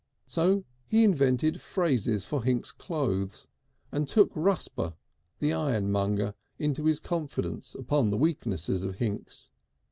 So he invented phrases for Hinks' clothes and took Rusper, the ironmonger, into his confidence upon the weaknesses of Hinks.